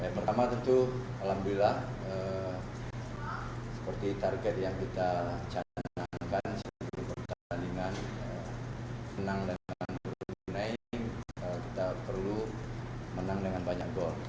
pertama tentu alhamdulillah seperti target yang kita canangkan seluruh pertandingan menang dengan brunei kita perlu menang dengan banyak gol